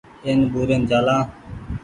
اين ٻورين چآلآن ۔